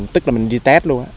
tức là mình đi test luôn